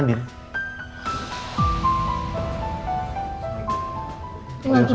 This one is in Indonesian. tidak ada apa apa